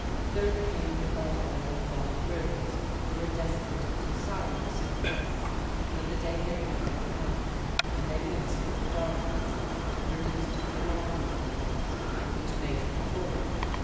Third came the barbarian Blond Brutes, who were destined to sire the super race, but the day had not yet come, and they mixed with the dark races and produced the mongrel peoples, which make the fourth.